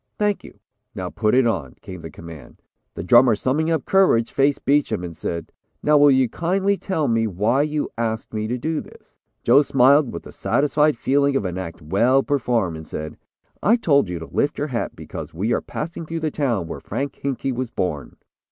"Thank you; now put it on," came the command. The drummer summing up courage, faced Beacham and said, "Now will you kindly tell me why you asked me to do this?" Joe smiled with the satisfied feeling of an act well performed and said: "I told you to lift your hat because we are passing through the town where Frank Hinkey was born."